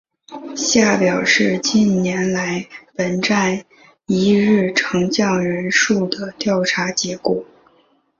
下表是近年来本站一日乘降人数的调查结果。